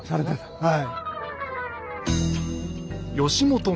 はい。